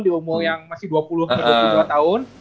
di umur yang masih dua puluh dua tahun